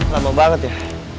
lama banget ya